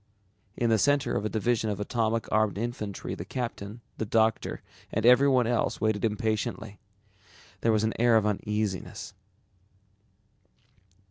In the center of a division of atomic armed infantry the captain, the doctor, and everyone else, waited impatiently. There was an air of uneasiness.